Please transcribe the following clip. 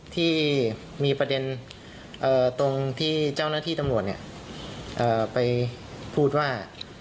ที่มีประเด็นตรงที่เจ้าหน้าที่ตำรวจไปพูดว่า